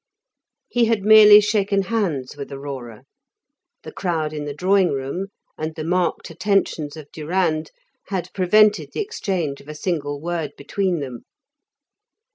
He had merely shaken hands with Aurora; the crowd in the drawing room and the marked attentions of Durand had prevented the exchange of a single word between them.